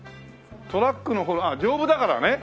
トラックの幌あっ丈夫だからね。